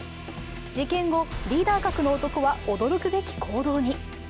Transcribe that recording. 事件後、リーダー格の男は驚くべき行動に。